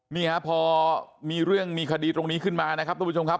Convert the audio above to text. นี่ฮะพอมีเรื่องมีคดีตรงนี้ขึ้นมานะครับทุกผู้ชมครับ